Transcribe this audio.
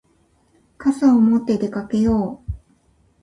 傘を持って出かけよう。